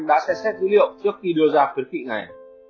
đã xét xét dữ liệu trước khi đưa ra khuyến khị này